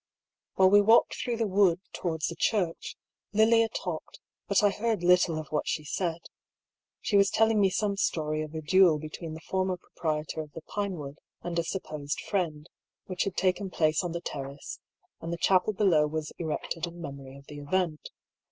While we walked through the wood towards the church, Lilia talked, but I heard little of what she said. She was telling me some story of a duel between the former proprietor of the Pinewood and a supposed friend, which had taken place on the terrace, and the chapel below was erected in memory of the event.